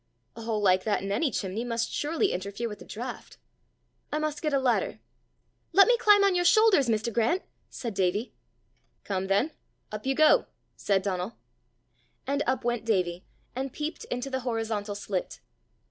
A hole like that in any chimney must surely interfere with the draught! I must get a ladder!" "Let me climb on your shoulders, Mr. Grant," said Davie. "Come then; up you go!" said Donal. And up went Davie, and peeped into the horizontal slit.